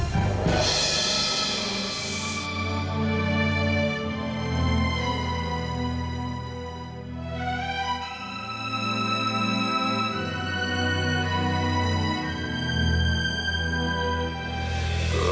kau udah art sprinkle itu